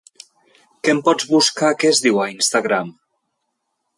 Que em pots buscar que es diu a Instagram?